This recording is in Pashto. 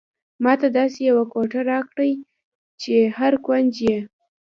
ماته داسې یوه کوټه راکړئ چې هر کونج یې.